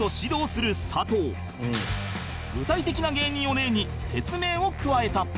具体的な芸人を例に説明を加えた